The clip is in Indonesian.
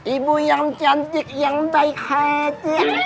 ibu yang cantik yang baik hati